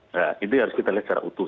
nah itu harus kita lihat secara utuh